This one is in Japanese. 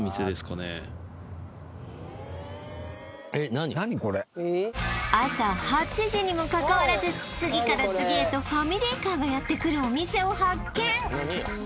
何これ朝８時にもかかわらず次から次へとファミリーカーがやってくるお店を発見！